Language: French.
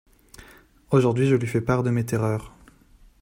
Aujourd’hui, je lui fais part de mes terreurs…